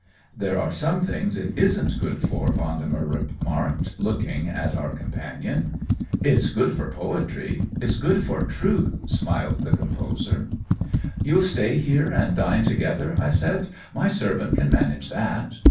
"There are some things it /V«Vgood for," Vendemer remarked, looking at our com panion, " It's good for poetry — it's good for truth," smiled the composer. COLLABORATION 131 " You'll Stay here and dine together," I said ;" my servant can manage that."